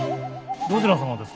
どちら様ですか？